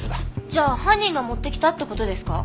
じゃあ犯人が持ってきたって事ですか？